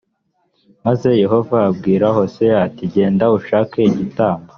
maze yehova abwira hoseya ati “gendaj ushake igitambo”